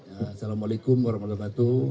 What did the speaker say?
assalamualaikum warahmatullahi wabarakatuh